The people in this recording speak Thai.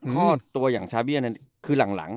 ข้อตัวอย่างชาเบี้ยคือหลัง